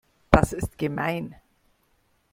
Das ist gemein.